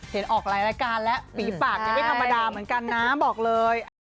ออกหลายรายการแล้วฝีปากยังไม่ธรรมดาเหมือนกันนะบอกเลย